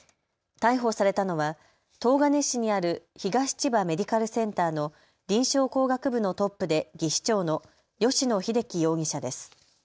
逮捕されたのは東金市にある東千葉メディカルセンターの臨床工学部のトップで技士長の吉野英樹容疑者です。